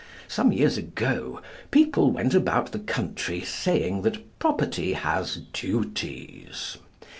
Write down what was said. Some years ago people went about the country saying that property has duties.